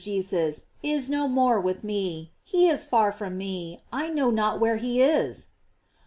556 Jesus, is no more with me; he is far from me, I know not where he ?.s!